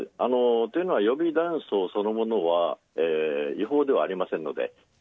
というのは、予備弾倉そのものは違法ではありませんので。